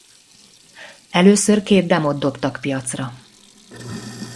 Először két demót dobtak piacra.